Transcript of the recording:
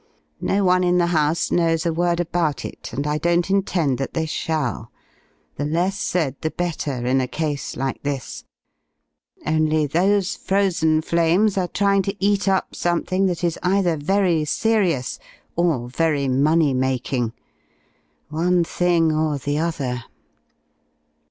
No one in the house knows a word about it, and I don't intend that they shall. The less said the better, in a case like this. Only those Frozen Flames are trying to eat up something that is either very serious or very money making. One thing or the other....